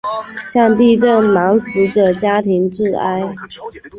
向地震男死者的家庭致哀。